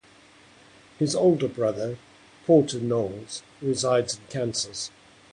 His older brother, Porter Knowles, resides in Kansas.